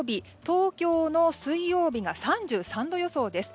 東京の水曜日が３３度予想です。